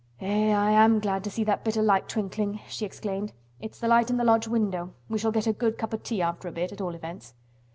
"Eh, I am glad to see that bit o' light twinkling," she exclaimed. "It's the light in the lodge window. We shall get a good cup of tea after a bit, at all events."